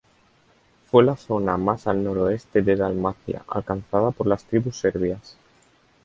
Fue la zona más al noroeste de Dalmacia alcanzada por las tribus serbias.